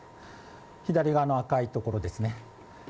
左側の赤いところですね。